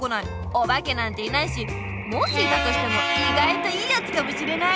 おばけなんていないしもしいたとしてもいがいといいやつかもしれない。